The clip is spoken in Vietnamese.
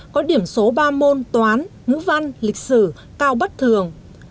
có điểm số ba môn toán ngữ văn lịch sử cao bất thường